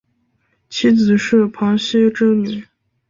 妻子是庞羲之女。